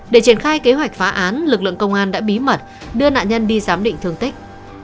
để triển khai kế hoạch phá án lực lượng công an đã bí mật đưa nạn nhân đi giám định thương tích